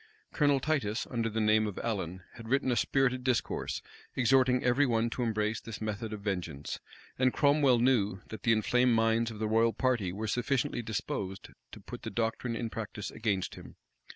Colonel Titus, under the name of Allen, had written a spirited discourse, exhorting every one to embrace this method of vengeance; and Cromwell knew, that the inflamed minds of the royal party were sufficiently disposed to put the doctrine in practice against him.